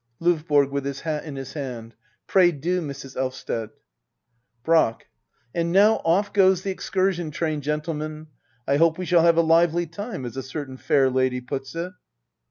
LdVBORO. [With his hat in his hand.] Pray do, Mrs. Elvsted. Brack. And now off goes the excursion train, gentle men ! I hope we shall have a lively time, as a certain fair lady puts it.